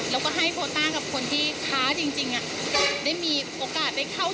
แล้วก็ให้โพต้ากับคนที่ค้าจริงได้มีโอกาสได้เข้าถึงราคาสลักในราคาต้นทุน